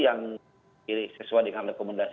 yang sesuai dengan rekomendasi